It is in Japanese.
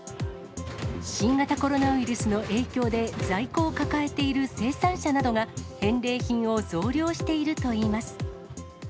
新型コロナウイルスの影響で、在庫を抱えている生産者などが返礼品を増量しているといいます。